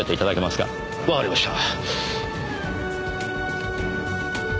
わかりました。